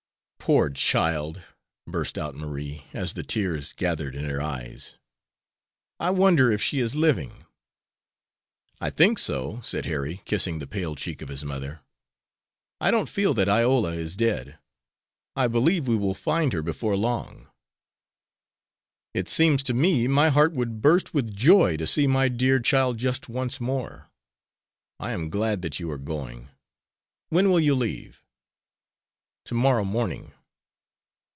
"Poor child!" burst out Marie, as the tears gathered in her eyes, "I wonder if she is living." "I think so," said Harry, kissing the pale cheek of his mother; "I don't feel that Iola is dead. I believe we will find her before long." "It seems to me my heart would burst with joy to see my dear child just once more. I am glad that you are going. When will you leave?" "To morrow morning."